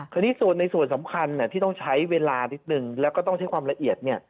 ทีนี้ส่วนในส่วนสำคัญที่ต้องใช้เวลานิดนึงแล้วก็ต้องใช้ความละเอียด